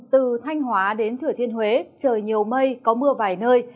từ thanh hóa đến thừa thiên huế trời nhiều mây có mưa vài nơi